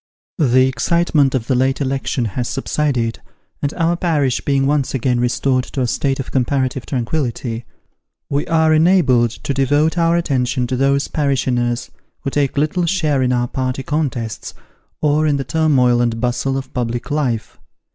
THE excitement of the late election has subsided, and our parish being once again restored to a state of comparative tranquillity, we are enabled to devote our attention to those parishioners who take little share in our party contests or in the turmoil and bustle of public life.